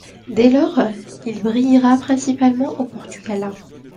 Dès lors, il brillera principalement au Portugal.